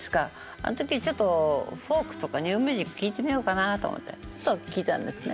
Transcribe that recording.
あの時ちょっとフォークとかニューミュージック聴いてみようかなと思ってちょっと聴いたんですね。